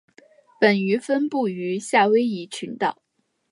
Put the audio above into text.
本鱼分布于夏威夷群岛。